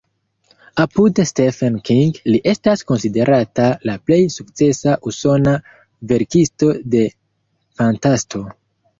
Apud Stephen King li estas konsiderata la plej sukcesa usona verkisto de fantasto.